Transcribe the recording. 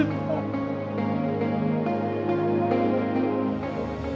papa sedih sekali